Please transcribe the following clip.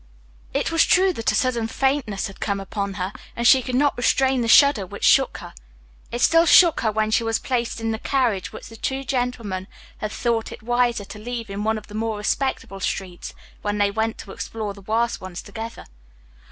It was true that a sudden faintness had come upon her, and she could not restrain the shudder which shook her. It still shook her when she was placed in the carriage which the two gentlemen had thought it wiser to leave in one of the more respectable streets when they went to explore the worse ones together.